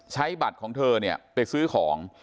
ใช้บัตรของเธอไปซื้อของ